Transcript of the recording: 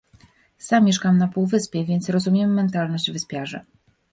Sam mieszkam na półwyspie, więc rozumiem mentalność wyspiarzy